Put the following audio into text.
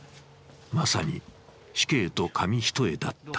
まさに死刑と紙一重だった。